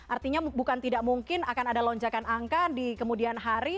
artinya bukan tidak mungkin akan ada lonjakan angka di kemudian hari